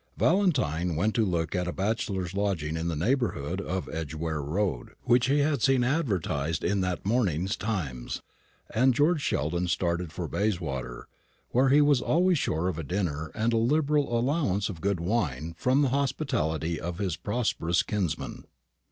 Valentine went to look at a bachelor's lodging in the neighbourhood of the Edgeware road, which he had seen advertised in that morning's Times; and George Sheldon started for Bayswater, where he was always sure of a dinner and a liberal allowance of good wine from the hospitality of his prosperous kinsman.